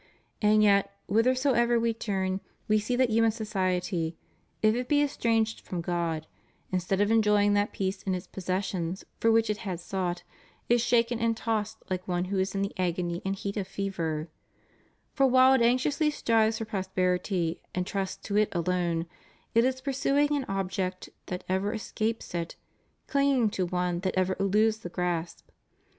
And yet, whithersoever we turn, we see that human society, if it be estranged from God, instead of enjoying that peace in its possessions for which it had sought, is shaken and tossed like one who is in the agony and heat of fever; for while it anxiously strives for pros perity, and trusts to it alone, it is pursuing an object that ever escapes it, clinging to one that ever eludes the grasp.